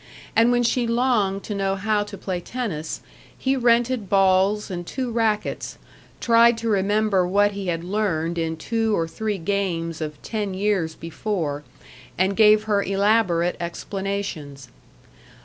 And when she longed to know how to play tennis, he rented balls and two rackets, tried to remember what he had learned in two or three games of ten years before, and gave her elaborate explanations.